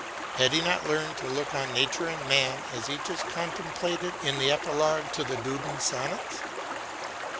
Had he not learned to look on nature and man as each is contemplated in the epilogue to the Duddon Sonnets